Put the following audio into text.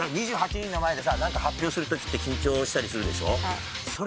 ２８人、２８人の前でなんか発表するときって緊張したりするでしょ？